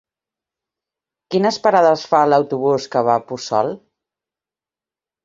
Quines parades fa l'autobús que va a Puçol?